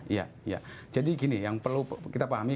iya jadi gini yang perlu kita pahami